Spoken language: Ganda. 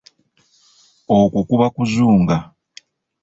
Okwo kuba kuzunga.